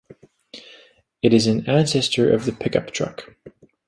It is an ancestor of the pickup truck.